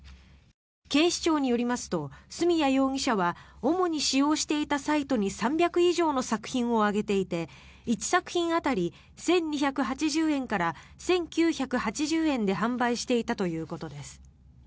警視庁によりますと角谷容疑者は主に使用していたサイトに３００以上の作品を上げていて１作品当たり１２８０円から１９８０円で販売していたということです。